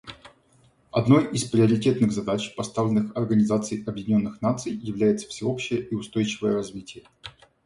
Одной из приоритетных задач, поставленных Организацией Объединенных Наций, является всеобщее и устойчивое развитие.